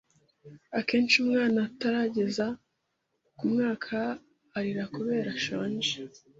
Akenshi umwana utarageza ku mwaka arira kubera ashonje,